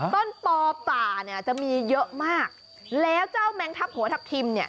ต้นป่าป่าจะมีเยอะมากแล้วเจ้าแมงทับหัวทับทิม